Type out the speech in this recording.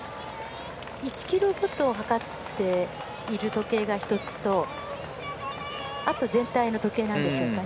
１ｋｍごとを計っている時計が１つとあと全体の時計なんでしょうね。